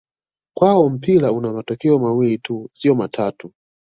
Kwao mpira una matokeo mawili tu sio matatu